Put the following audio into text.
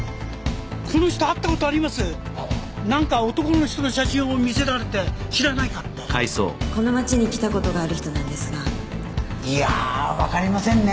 この人会ったことありますなんか男の人の写真を見せられて知らないかってこの町に来たことがある人なんですがいや分かりませんね